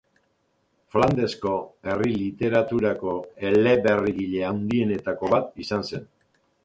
Flandesko herri-literaturako eleberrigile handienetako bat izan zen.